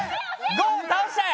ゴン倒しちゃえ！